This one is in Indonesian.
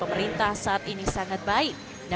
pemerintah saat ini berharap ke depannya akan ada ya